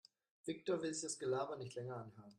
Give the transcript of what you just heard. Viktor will sich das Gelaber nicht länger anhören.